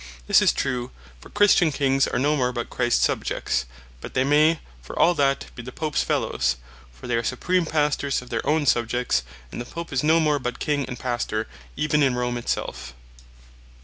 This is true; for Christian Kings are no more but Christs Subjects: but they may, for all that, bee the Popes Fellowes; for they are Supreme Pastors of their own Subjects; and the Pope is no more but King, and Pastor, even in Rome it selfe.